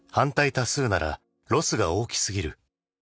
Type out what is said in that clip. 多数ならロスが大きすぎる。